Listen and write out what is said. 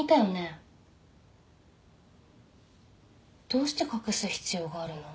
どうして隠す必要があるの？